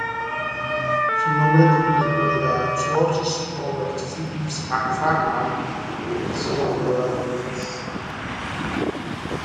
Su nombre completo era George Robert Phillips McFarland, y nació en Colorado, Texas.